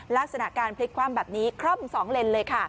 ลักษณะการพลิกความแบบนี้ครอบ๒เลนเลย